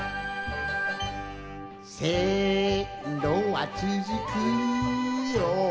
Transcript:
「せんろはつづくよ